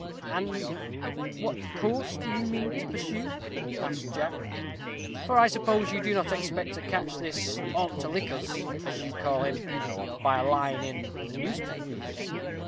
"And what course do you mean to pursue?" asked Jack, "for I suppose you do not expect to catch this 'ought to lick us,' as you call him, by a line in the newspapers."